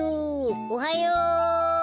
おはよう。